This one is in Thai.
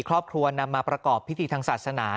ครอบครัวนำมาประกอบพิธีทางศาสนา